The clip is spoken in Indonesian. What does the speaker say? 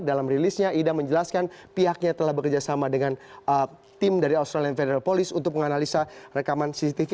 dalam rilisnya ida menjelaskan pihaknya telah bekerjasama dengan tim dari australian federal police untuk menganalisa rekaman cctv